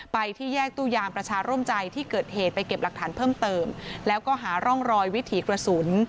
ไปที่แยกตู้ยามประชาร่วมใจที่เกิดเหตุไปเก็บหลักฐานเพิ่มเติมแล้วก็หาร่องรอยวิถีกระสุน